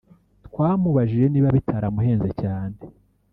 twamubajije niba bitaramuhenze cyane